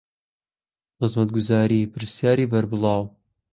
خزمەتگوزارى پرسیارى بەربڵاو